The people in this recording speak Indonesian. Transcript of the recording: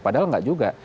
padahal nggak juga